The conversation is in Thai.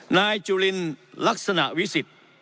นายจุลินลักษณะวิสิทธิ์